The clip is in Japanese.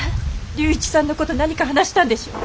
龍一さんの事何か話したんでしょう。